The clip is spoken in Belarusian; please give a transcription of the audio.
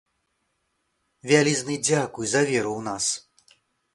Вялізны дзякуй за веру ў нас.